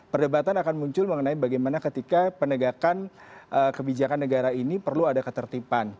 perdebatan akan muncul mengenai bagaimana ketika penegakan kebijakan negara ini perlu ada ketertiban